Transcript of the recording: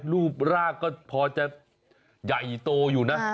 รูปร่างก็พอจะใหญ่โตอยู่นะ